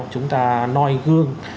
chúng ta noi gương